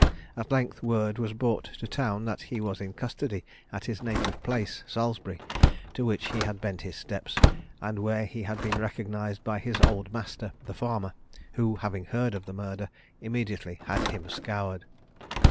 At length word was brought to town that he was in custody at his native place, Salisbury, to which he had bent his steps, and where he had been recognised by his old master the farmer, who, having heard of the murder, immediately had him scoured.